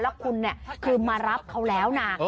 แล้วคุณคือมารับเขาแล้วนะ